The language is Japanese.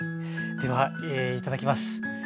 ではいただきます。